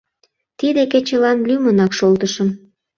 Тиде кечылан лӱмынак шолтышым.